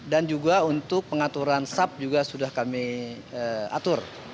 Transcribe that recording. dan juga untuk pengaturan sab juga sudah kami atur